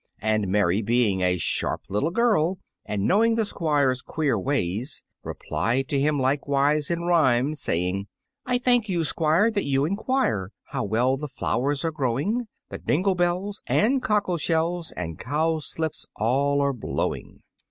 And Mary, being a sharp little girl, and knowing the Squire's queer ways, replied to him likewise in rhyme, saying, "I thank you, Squire, that you enquire How well the flowers are growing; The dingle bells and cockle shells And cowslips all are blowing!"